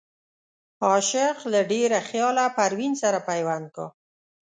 عاشق له ډېره خياله پروين سره پيوند کا